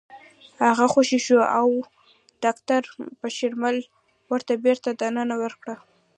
هغه خوشې شو او داکتر بشرمل ورته بېرته دنده ورکړه